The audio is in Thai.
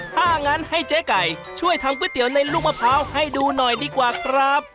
ถ้างั้นให้เจ๊ไก่ช่วยทำก๋วยเตี๋ยวในลูกมะพร้าวให้ดูหน่อยดีกว่าครับ